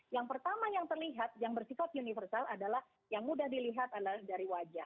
yang pertama yang terlihat yang bersifat universal adalah yang mudah dilihat adalah dari wajah